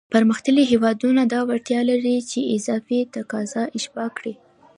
پرمختللی هېوادونه دا وړتیا لري چې اضافي تقاضا اشباع کړي.